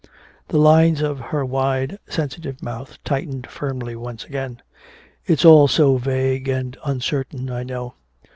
The lines of her wide sensitive mouth tightened firmly once again. "It's all so vague and uncertain, I know.